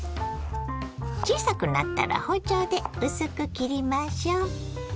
小さくなったら包丁で薄く切りましょ。